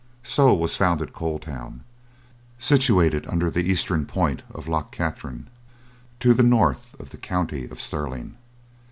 So was founded Coal Town, situated under the eastern point of Loch Katrine, to the north of the county of Stirling.